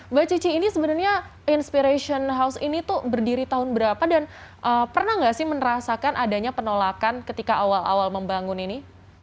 mbak cici ini sebenarnya inspiration house ini tuh berdiri tahun berapa dan pernah nggak sih menerasakan adanya penolakan ketika awal awal membangun ini